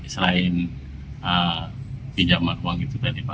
selain pinjaman uang itu dari mana